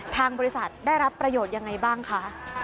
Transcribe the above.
ทางบริษัทได้รับประโยชน์ยังไงบ้างคะ